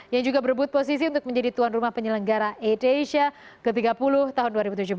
yang juga berebut posisi untuk menjadi tuan rumah penyelenggara at asia ke tiga puluh tahun dua ribu tujuh belas